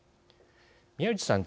宮内さん